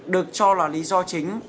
được cho là lý do chính